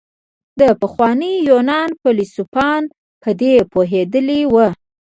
د پخواني يونان فيلسوفان په دې پوهېدلي وو.